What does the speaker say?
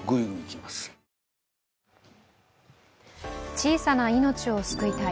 小さな命を救いたい。